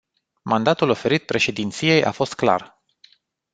Mandatul oferit președinției a fost clar.